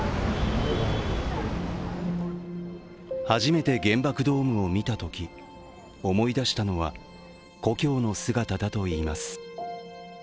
初めて原爆ドームを見たとき、思い出したのは、故郷の姿だといいます。